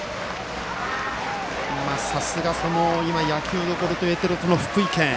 さすが、今野球どころといわれている福井県。